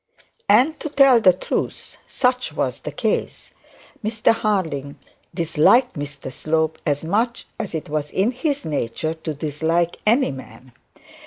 And to tell the truth, such was the case. Mr Harding disliked Mr Slope as much as it was in his nature to dislike any man.